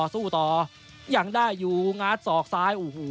สู้ต่ออย่างได้อยู่งาดส่อกซ้าย